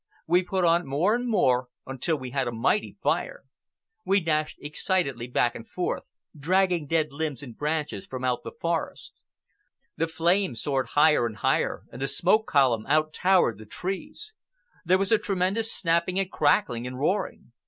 We put on more and more, until we had a mighty fire. We dashed excitedly back and forth, dragging dead limbs and branches from out the forest. The flames soared higher and higher, and the smoke column out towered the trees. There was a tremendous snapping and crackling and roaring.